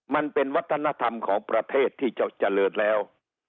มันเป็นวัฒนธรรมของประเทศที่จะเจริญแล้ว